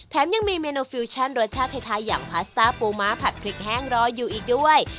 ยังมีเมนูฟิวชั่นรสชาติไทยอย่างพาสต้าปูม้าผัดพริกแห้งรออยู่อีกด้วย